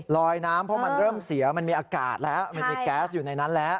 ลอยน้ำเพราะมันเริ่มเสียมันมีอากาศแล้วมันมีแก๊สอยู่ในนั้นแล้ว